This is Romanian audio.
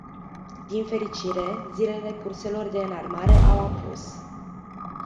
Din fericire, zilele curselor de înarmare au apus.